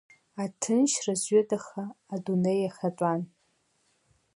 Аҭынчра зҩыдаха адунеи иахатәан.